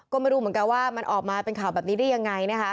ก็ไม่รู้เหมือนกันว่ามันออกมาเป็นข่าวแบบนี้ได้ยังไงนะคะ